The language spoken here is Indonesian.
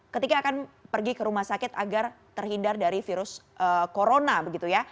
ketika akan pergi ke rumah sakit agar terhindar dari virus corona begitu ya